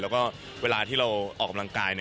แล้วก็เวลาที่เราออกกำลังกาย